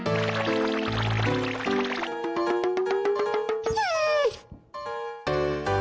โอ้โฮ